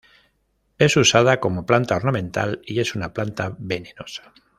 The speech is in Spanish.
Es usada como planta ornamental, y es una planta venenosa.